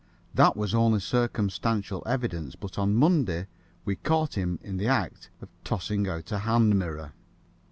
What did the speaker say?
That was only circumstantial evidence, but on Monday we caught him in the act of tossing out a hand mirror.